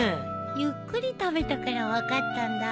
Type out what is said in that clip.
ゆっくり食べたから分かったんだ。